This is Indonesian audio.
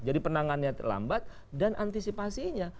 jadi penangannya lambat dan antisipasinya